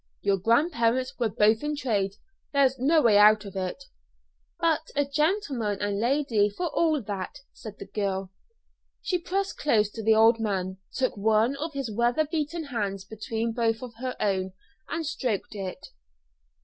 Your grandparents were both in trade; there's no way out of it." "But a gentleman and lady for all that," said the girl. She pressed close to the old man, took one of his weather beaten hands between both of her own, and stroked it.